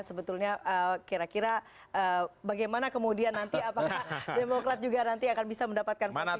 sebetulnya kira kira bagaimana kemudian nanti apakah demokrat juga nanti akan bisa mendapatkan posisi